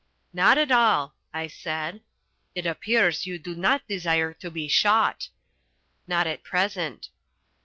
"Not at all," I said. "It appears you do not desire to be shot." "Not at present."